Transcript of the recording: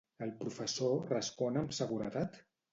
El professor respon amb seguretat?